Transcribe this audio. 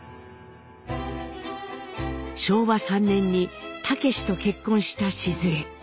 昭和３年に武と結婚したシズエ。